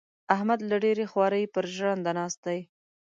احمد له ډېرې خوارۍ؛ پر ژنده ناست دی.